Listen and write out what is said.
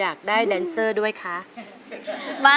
กลับไปก่อนที่สุดท้าย